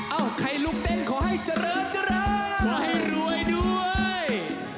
เอ้าใครลุกเต้นขอให้เจริญเจริญขอให้รวยด้วย